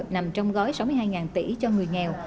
nằm trong gói sáu mươi hai tỷ cho người nghèo